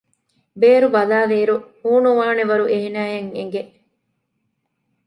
ބޭރު ބަލާލިއިރު ހޫނުވާނެ ވަރު އޭނާއަށް އެނގެ